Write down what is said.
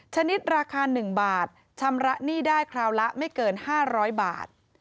ชนิดราคา๑บาทชำระหนี้ได้คราวละไม่เกิน๕๐๐บาท